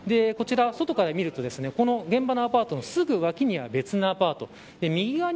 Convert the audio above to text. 外側から見ると現場のアパートのすぐ脇には別のアパート。